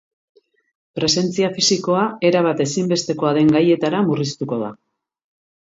Presentzia fisikoa erabat ezinbestekoa den gaietara murriztuko da.